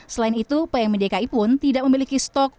selain itu pmidki pun tidak memiliki stok